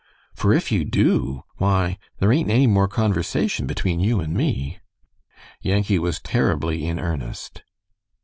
Fur if you do, why, there ain't any more conversation between you and me." Yankee was terribly in earnest.